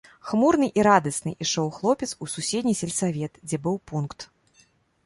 Хмурны і радасны ішоў хлопец у суседні сельсавет, дзе быў пункт.